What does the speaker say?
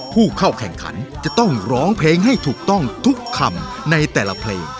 ผู้เข้าแข่งขันจะต้องร้องเพลงให้ถูกต้องทุกคำในแต่ละเพลง